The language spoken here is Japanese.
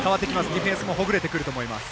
ディフェンスもほぐれてくると思います。